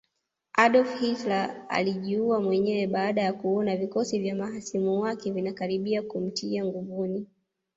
Adolf Hitler alijiua mwenyewe baada ya kuona vikosi vya mahasimu wake vinakaribia kumtia nguvuni